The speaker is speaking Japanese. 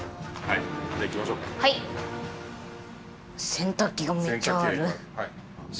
洗濯機がいっぱいある。